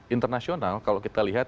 internasional kalau kita lihat